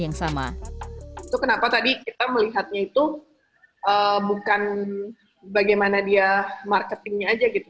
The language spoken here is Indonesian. itu kenapa tadi kita melihatnya itu bukan bagaimana dia marketingnya aja gitu